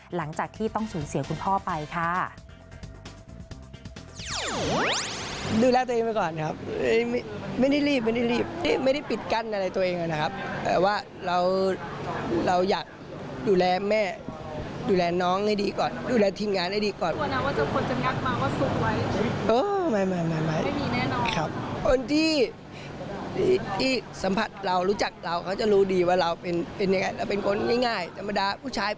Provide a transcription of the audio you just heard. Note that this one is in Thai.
หลังจากที่ต้องสูญเสียคุณพ่อไปค่ะ